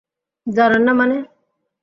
জানেন না মানে?